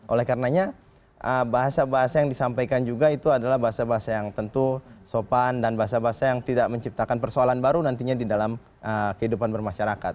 oleh karenanya bahasa bahasa yang disampaikan juga itu adalah bahasa bahasa yang tentu sopan dan bahasa bahasa yang tidak menciptakan persoalan baru nantinya di dalam kehidupan bermasyarakat